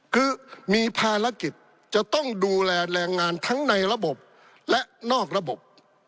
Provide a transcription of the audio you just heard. คือมีภารกิจจะต้องดูแลแรงงานทั้งในระบบและนอกระบบ